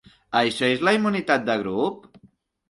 Això és la immunitat de grup?